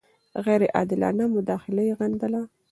غیر عادلانه مداخله یې غندله.